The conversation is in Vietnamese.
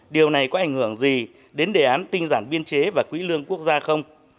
điều này có ảnh hưởng gì đến đề án tinh giản biên chế và quỹ lương quốc gia không